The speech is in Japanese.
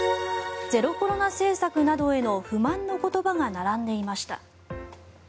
ゼロコロナ政策などへの不満の言葉が並んでいました。